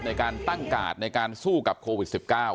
ในการตั้งกาดในการสู้กับโควิด๑๙